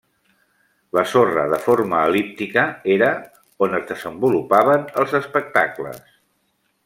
La sorra, de forma el·líptica, era on es desenvolupaven els espectacles.